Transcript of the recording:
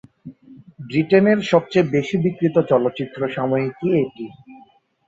ব্রিটেনের সবচেয়ে বেশি বিক্রিত চলচ্চিত্র সাময়িকী এটি।